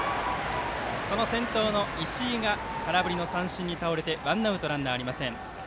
その先頭の石井が空振り三振に倒れてワンアウト、ランナーありません。